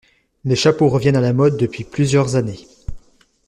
Les chapeaux reviennent à la mode depuis plusieurs années.